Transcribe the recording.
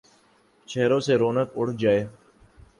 ، چہروں سے رونق اڑ جائے ،